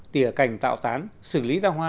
tỉa cành tạo tán xử lý ra hoa